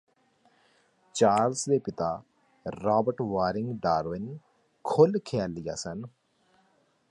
Charles ਦੇ ਪਿਤਾ Robert Waring Darwin ਖੁੱਲ੍ਹ ਖ਼ਿਆਲੀਆ ਸਨ